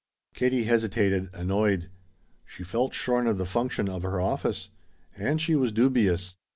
Katie hesitated, annoyed. She felt shorn of the function of her office. And she was dubious.